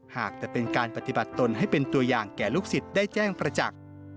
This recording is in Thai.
หากแต่เป็นการปฏิบัติตนให้เป็นตัวอย่างแก่ลูกศิษย์ได้แจ้งประจักษ์